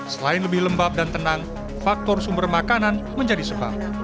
selain lebih lembab dan tenang faktor sumber makanan menjadi sebab